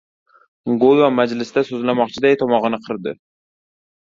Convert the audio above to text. Go‘yo majlisda so‘zlamoqchiday tomog‘ini qirdi.